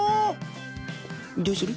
どうする？